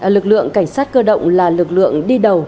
lực lượng cảnh sát cơ động là lực lượng đi đầu